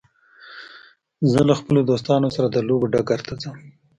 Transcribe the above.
زه له خپلو دوستانو سره د لوبو ډګر ته ځم.